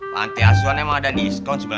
pantiasuhan emang ada diskon sembilan x